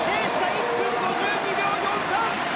１分５２秒４３。